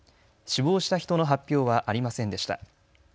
死亡した人の発表はありませんでした。